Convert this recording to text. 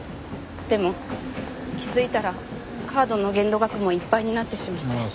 でも気づいたらカードの限度額もいっぱいになってしまって。